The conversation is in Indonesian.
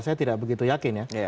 saya tidak begitu yakin ya